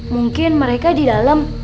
mungkin mereka di dalem